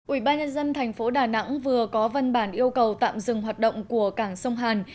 ủy ban nhân dân thành phố đà nẵng vừa có văn bản yêu cầu tạm dừng hoạt động của cảng sông hàn